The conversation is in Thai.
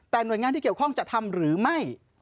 แต่หน่วยงานที่เกี่ยวข้องจะทำหรือไม่